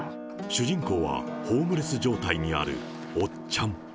主人公はホームレス状態にあるおっちゃん。